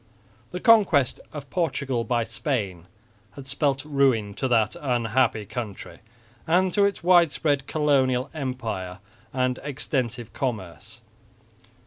The conquest of Portugal by Spain had spelt ruin to that unhappy country and to its widespread colonial empire and extensive commerce.